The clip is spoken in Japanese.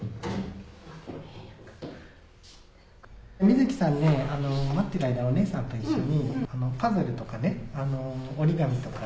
みずきさんね待っている間お姉さんと一緒にパズルとかね折り紙とか。